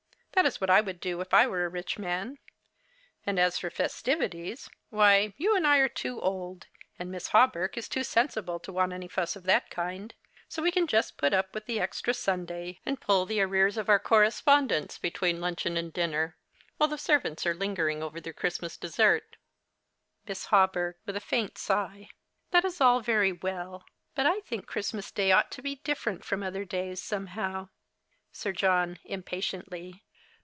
That is wliat I would do if I were a rich man. And as for festivities, why, you and I are too old, and Miss Hawberk is too sensible to want any fuss of that kind ; so we can just put uji with the extra Sunday, and pull up The Christmas Hirelings. 25 the arrears of our correspondence between luncheon and dinner, while the servants are lingering over their Christmas dessert. Miss Hawberk (with a faint sigh). That is all very well ; but I think Christmas Day ought to be different from other days, somehow. .Sir John (impatiently).